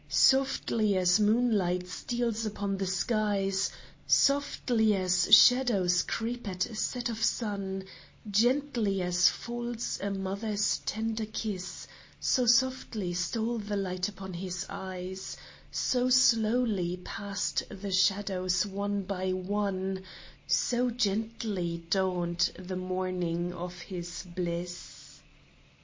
Softly as moonlight steals upon the skies, Slowly as shadows creep at set of sun, Gently as falls a mother's tender kiss, So softly stole the light upon his eyes ; So slowly passed the shadows one by one ; So gently dawned the morning of his bliss